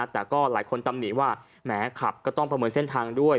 แต่ก็หลายคนตำหนิว่าแหมขับก็ต้องประเมินเส้นทางด้วย